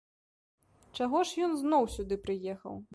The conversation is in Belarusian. Чаго ж ён зноў сюды прыехаў?